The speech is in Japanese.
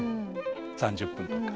３０分とか。